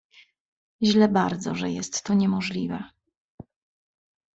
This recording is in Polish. "Źle bardzo, że jest to niemożliwe."